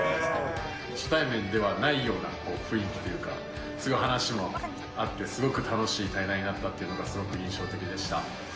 初対面ではないような雰囲気というか、すごい話も合って、すごく楽しい対談になったというのがすごく印象的でした。